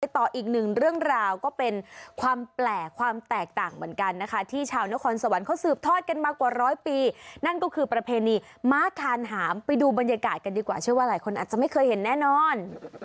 ต่ออีกหนึ่งเรื่องราวก็เป็นความแปลกความแตกต่างเหมือนกันนะคะที่ชาวนครสวรรค์เขาสืบทอดกันมากว่าร้อยปีนั่นก็คือประเพณีม้าคานหามไปดูบรรยากาศกันดีกว่าเชื่อว่าหลายคนอาจจะไม่เคยเห็นแน่นอน